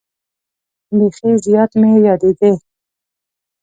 بیخي زیات مې یادېدې.